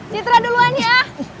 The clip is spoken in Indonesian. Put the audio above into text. citra duluan ya